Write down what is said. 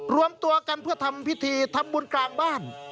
รวมตัวกันเพื่อทำพิธีทำบุญกลางบ้าน